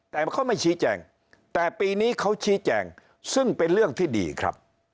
แต่เขาไม่ชี้แจงแต่ปีนี้เขาชี้แจงซึ่งเป็นเรื่องที่ดีครับ